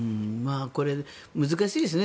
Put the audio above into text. これ、難しいですね。